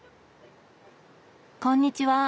こんにちは。